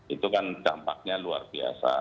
itu kan dampaknya luar biasa